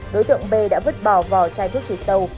đối tượng b đã vứt bỏ vỏ chai thuốc trừ sâu